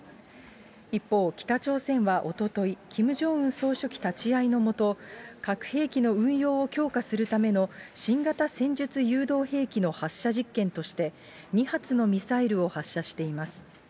一方、北朝鮮はおととい、キム・ジョンウン総書記立ち会いの下、核兵器の運用を強化するための新型戦術誘導兵器の発射実験として、２発のミサイルを発射しています。